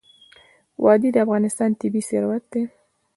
وادي د افغانستان طبعي ثروت دی.